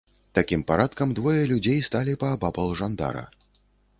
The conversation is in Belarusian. Такім парадкам двое людзей сталі паабапал жандара.